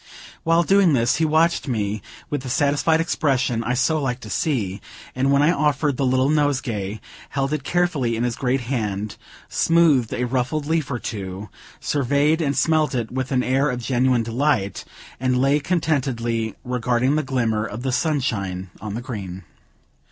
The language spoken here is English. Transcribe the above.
While doing this, he watched me with the satisfied expression I so liked to see; and when I offered the little nosegay, held it carefully in his great hand, smoothed a ruffled leaf or two, surveyed and smelt it with an air of genuine delight, and lay contentedly regarding the glimmer of the sunshine on the green.